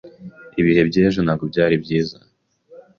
Ibihe by'ejo ntabwo ari byiza.